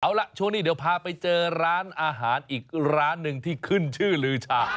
เอาล่ะช่วงนี้เดี๋ยวพาไปเจอร้านอาหารอีกร้านหนึ่งที่ขึ้นชื่อลือชา